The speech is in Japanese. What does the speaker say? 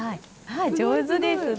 上手ですね。